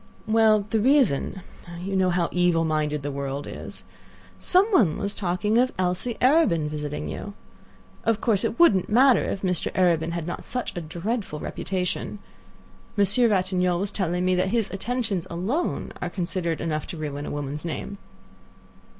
"Well, the reason—you know how evil minded the world is—some one was talking of Alcée Arobin visiting you. Of course, it wouldn't matter if Mr. Arobin had not such a dreadful reputation. Monsieur Ratignolle was telling me that his attentions alone are considered enough to ruin a woman's name."